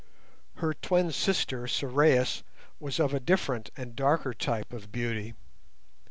Her twin sister, Sorais, was of a different and darker type of beauty.